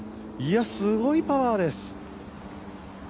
すごいパワーです。